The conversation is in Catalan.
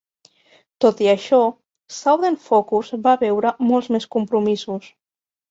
Tot i això, Southern Focus va veure molts més compromisos.